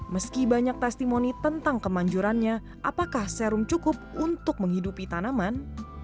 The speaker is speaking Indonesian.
meski banyak testimoni tentang kemanjurannya apakah serum cukup untuk menghidupi tanaman